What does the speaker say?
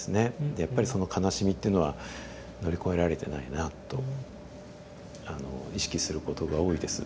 でやっぱりその悲しみっていうのは乗り越えられてないなとあの意識することが多いです。